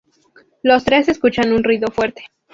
Los tres escuchan un ruido fuerte.